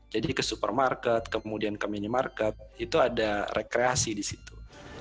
jadi ke supermarket kemudian ke minimarket itu ada rekreasi di situ